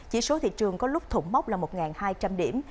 chỉ số thị trường có lúc thủng mốc là một hai trăm linh điểm